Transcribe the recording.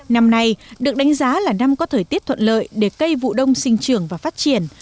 năm nay được đánh giá là năm có thời tiết thuận lợi để cây vụ đông sinh trường và phát triển